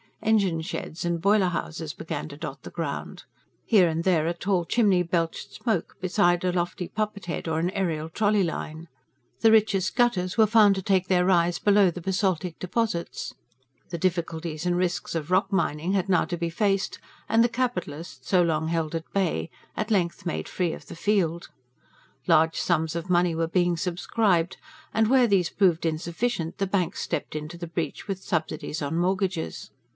Engine sheds and boiler houses began to dot the ground; here and there a tall chimney belched smoke, beside a lofty poppet head or an aerial trolley line. The richest gutters were found to take their rise below the basaltic deposits; the difficulties and risks of rock mining had now to be faced, and the capitalist, so long held at bay, at length made free of the field. Large sums of money were being subscribed; and, where these proved insufficient, the banks stepped into the breach with subsidies on mortgages.